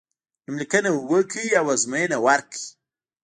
نوم لیکنه وکړی او ازموینه ورکړی.